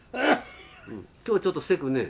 今日はちょっとせくね。